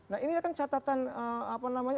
nah ini kan catatan evaluasi dan refleksi banknya